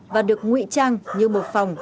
và được ngụy trang như một phòng